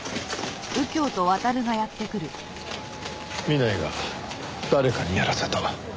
南井が誰かにやらせた。